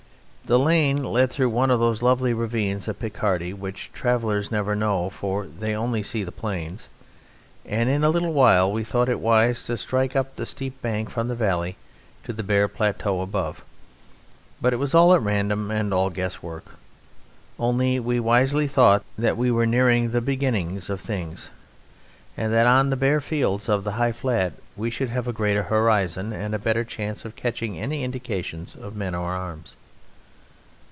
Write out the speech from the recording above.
The lane led through one of those lovely ravines of Picardy which travellers never know (for they only see the plains), and in a little while we thought it wise to strike up the steep bank from the valley on to the bare plateau above, but it was all at random and all guesswork, only we wisely thought that we were nearing the beginning of things, and that on the bare fields of the high flat we should have a greater horizon and a better chance of catching any indications of men or arms.